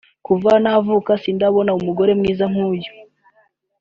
Kuva navuka sindabona umugore mwiza nk’uyu